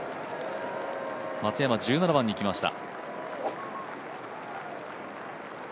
松山、１７番に来ました。